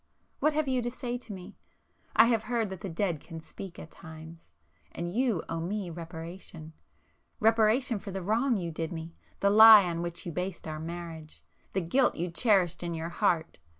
What have you to say to me?—I have heard that the dead can speak at times,—and you owe me reparation,—reparation for the wrong you did me,—the lie on which you based our marriage,—the guilt you cherished in your heart!